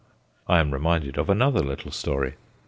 I am reminded of another little story.